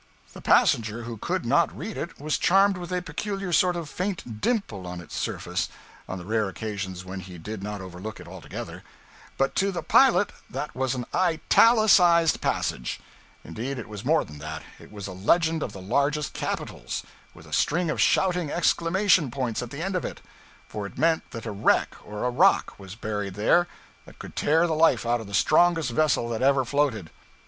The passenger who could not read it was charmed with a peculiar sort of faint dimple on its surface (on the rare occasions when he did not overlook it altogether); but to the pilot that was an _italicized _passage; indeed, it was more than that, it was a legend of the largest capitals, with a string of shouting exclamation points at the end of it; for it meant that a wreck or a rock was buried there that could tear the life out of the strongest vessel that ever floated.